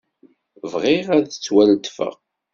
Bɣiɣ ad ttwaletfeɣ.